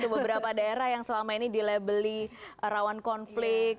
beberapa daerah yang selama ini di labeli rawan konflik